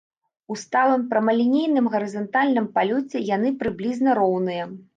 У сталым прамалінейным гарызантальным палёце яны прыблізна роўныя.